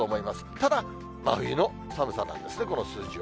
ただ真冬の寒さなんですね、この数字は。